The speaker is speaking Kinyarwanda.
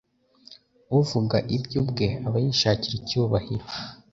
«Uvuga ibye ubwe aba yishakira icyubahiro,